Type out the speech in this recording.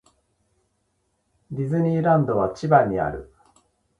ディズニーランドは千葉にある